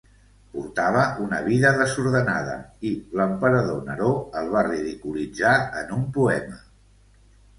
Portava una vida desordenada i l'emperador Neró el va ridiculitzar en un poema.